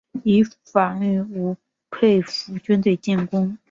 以防御吴佩孚军队进攻。